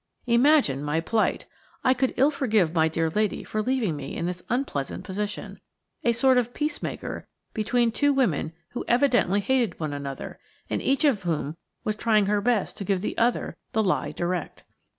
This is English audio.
Imagine my plight! I could ill forgive my dear lady for leaving me in this unpleasant position–a sort of peacemaker between two women who evidently hated one another, and each of whom was trying her best to give the other "the lie direct."